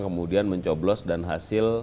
kemudian mencoblos dan hasil